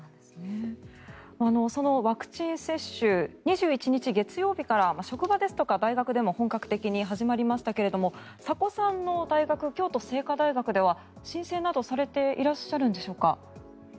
そのワクチン接種２１日月曜日から職場ですとか大学でも本格的に始まりましたがサコさんの京都精華大学では申請などされていらっしゃるんでしょうか。